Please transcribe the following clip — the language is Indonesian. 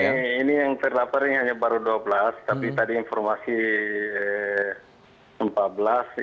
ini yang terdapatnya baru dua belas tapi tadi informasi empat belas